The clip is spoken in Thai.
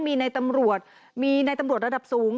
มีในตำรวจมีในตำรวจระดับสูง